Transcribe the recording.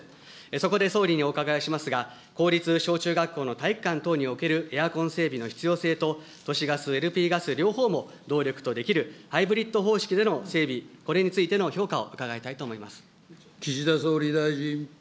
そこで総理にお伺いをしますが、公立小中学校の体育館等におけるエアコン整備の必要性と、都市ガス、ＬＰガス、両方も動力とできるハイブリッド方式での整備、これについての評価を伺いたいと思います。